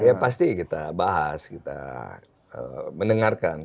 ya pasti kita bahas kita mendengarkan